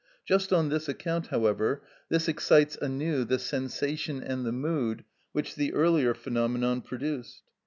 Just on this account, however, this excites anew the sensation and the mood which the earlier phenomenon produced.